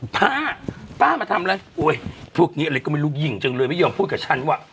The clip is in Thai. ป้าป้ามาทำอะไรโอ๊ยพวกนี้อะไรก็ไม่รู้ยิ่งจังเลยไม่ยอมพูดกับฉันว่า